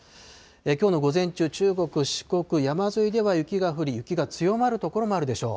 きょうの午前中、中国、四国、山沿いでは雪が降り、雪が強まる所があるでしょう。